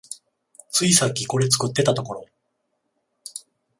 ついさっきこれ作ってたところ